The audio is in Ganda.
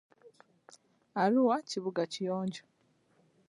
Arua kibuga kiyonjo.